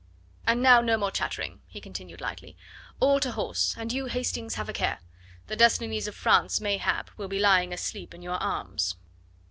And now no more chattering," he continued lightly; "all to horse, and you, Hastings, have a care. The destinies of France, mayhap, will be lying asleep in your arms."